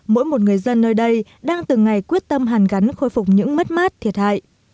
mỗi một người dân nơi đây đang từng ngày quyết tâm hàn gắn khôi phục những mất mát thiệt hại